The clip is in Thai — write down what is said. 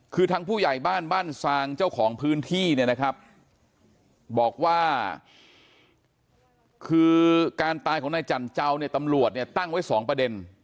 คือทางผู้ใหญ่บ้านบ้านซางเจ้าของพื้นที่เนี่ยนะครับบอกว่าคือการตายของนายจันเจ้าเนี่ยตำรวจเนี่ยตั้งไว้สองประเด็น